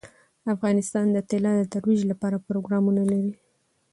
افغانستان د طلا د ترویج لپاره پروګرامونه لري.